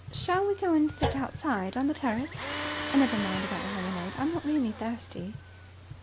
"Shall we go and sit outside on the terrace? Never mind about the lemonade. I'm not really thirsty."